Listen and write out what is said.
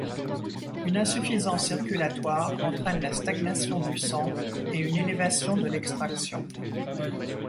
Une insuffisance circulatoire entraîne la stagnation du sang et une élévation de l'extraction.